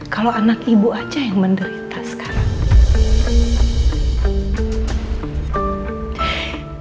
kalau anak ibu aja yang menderita sekarang